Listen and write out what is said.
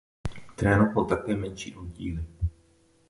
Trénoval také menší oddíly.